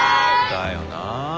だよな。